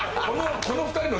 この２人の。